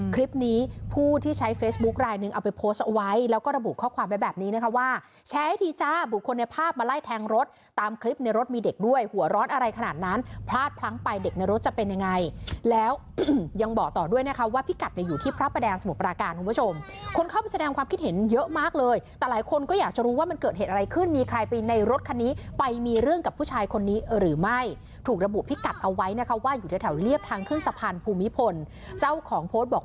คลิปนี้ผู้ที่ใช้เฟซบุ๊กลายหนึ่งเอาไปโพสต์ไว้แล้วก็ระบุข้อความแบบแบบนี้นะคะว่าแชร์ให้ทีจ้าบุคลในภาพมาไล่แทงรถตามคลิปในรถมีเด็กด้วยหัวร้อนอะไรขนาดนั้นพลาดพลั้งไปเด็กในรถจะเป็นยังไงแล้วยังบอกต่อด้วยนะคะว่าพิกัดจะอยู่ที่พระประแดงสมุทรปราการคุณผู้ชมคนเข้าไปแสดงความคิดเห็นเยอะมาก